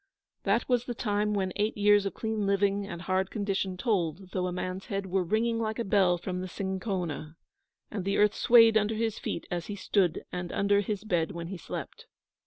That was the time when eight years of clean living and hard condition told, though a man's head were ringing like a bell from the cinchona, and the earth swayed under his feet when he stood and under his bed when he slept.